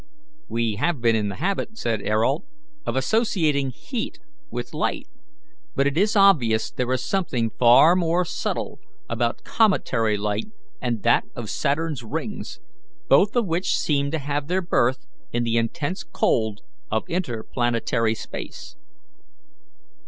"We have been in the habit," said Ayrault, "of associating heat with light, but it is obvious there is something far more subtle about cometary light and that of Saturn's rings, both of which seem to have their birth in the intense cold of interplanetary space."